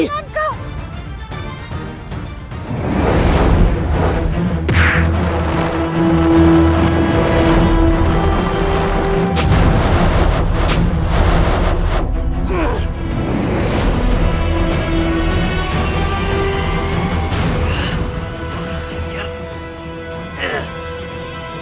tidak tidak bisa